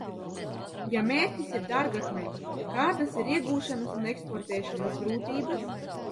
Ja mērķis ir dārgakmeņi, kādas ir iegūšanas un eksportēšanas grūtības?